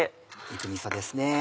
ねぎみそですね。